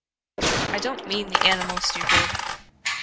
"I don't mean the animal, stupid."